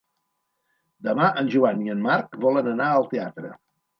Demà en Joan i en Marc volen anar al teatre.